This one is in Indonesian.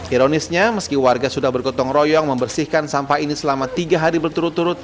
ironisnya meski warga sudah bergotong royong membersihkan sampah ini selama tiga hari berturut turut